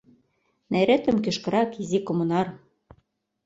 — Неретым кӱшкырак, изи коммунар!